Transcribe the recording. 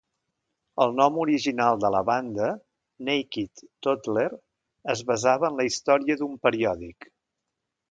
El nom original de la banda, "Naked Toddler", es basava en la història d'un periòdic.